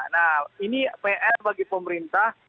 nah ini pr bagi pemerintah